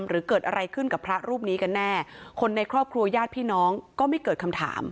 หรือเกิดอะไรขึ้นกับพระรูปนี้กันแน่คนในครอบครัวญาติพี่น้องก็ไม่เกิดคำถาม